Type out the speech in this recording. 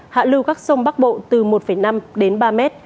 hạ lưu các sông bắc bộ từ một năm đến ba m